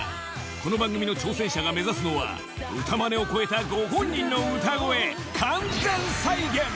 この番組の挑戦者が目指すのは歌マネを超えたご本人の歌声